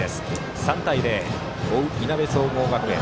３対０、追ういなべ総合学園。